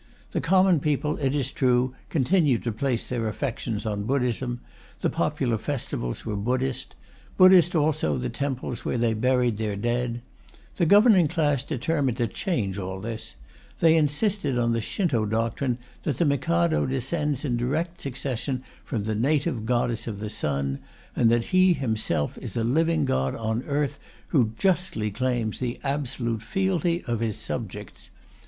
The common people, it is true, continued to place their affections on Buddhism, the popular festivals were Buddhist; Buddhist also the temples where they buried their dead. The governing class determined to change all this. They insisted on the Shinto doctrine that the Mikado descends in direct succession from the native Goddess of the Sun, and that He himself is a living God on earth who justly claims the absolute fealty of his subjects.